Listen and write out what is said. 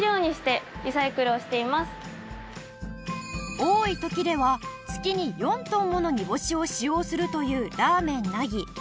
多い時では月に４トンもの煮干しを使用するというラーメン凪